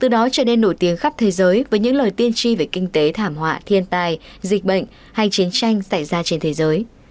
đó trở nên nổi tiếng khắp thế giới với những lời tiên tri về kinh tế thảm họa thiên tài dịch bệnh hay chiến tranh xảy ra trên thế giới